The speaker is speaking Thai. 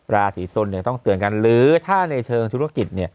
ราศีตุลต้องเตือนกันหรือถ้าในเชิงธุรกิจ